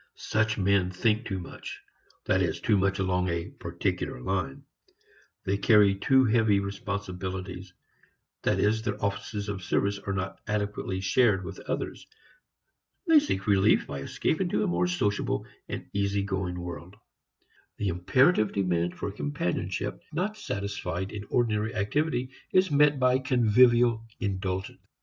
Such men think too much, that is, too much along a particular line. They carry too heavy responsibilities; that is, their offices of service are not adequately shared with others. They seek relief by escape into a more sociable and easy going world. The imperative demand for companionship not satisfied in ordinary activity is met by convivial indulgence.